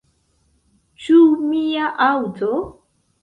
Ĉu mia aŭto?